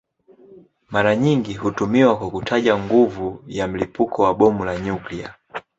Mara nyingi hutumiwa kwa kutaja nguvu ya mlipuko wa bomu la nyuklia.